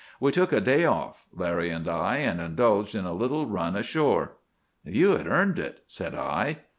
We took a day off,—Larry and I, and indulged in a little run ashore.' "'You had earned it,' said I."